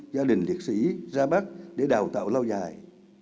gia đình liệt sĩ ra bắc để đào tạo lâu dài